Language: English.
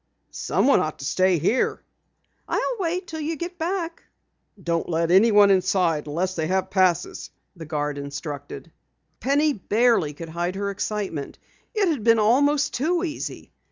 "Someone ought to stay here." "I'll wait until you get back." "Don't let anyone inside unless they have passes," the guard instructed. Penny barely could hide her excitement. It had been almost too easy!